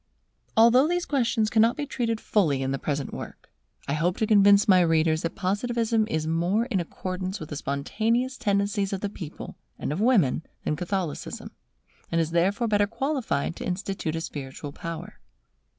Although these questions cannot be treated fully in the present work, I hope to convince my readers that Positivism is more in accordance with the spontaneous tendencies of the people and of women than Catholicism, and is therefore better qualified to institute a spiritual power.